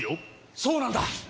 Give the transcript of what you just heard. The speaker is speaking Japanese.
そうなんだ！